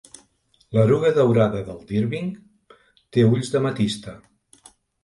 L'eruga daurada del d'Irvin té ulls d'ametista.